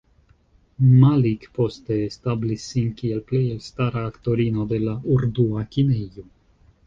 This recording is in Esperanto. Malik poste establis sin kiel plej elstara aktorino de la urdua kinejo.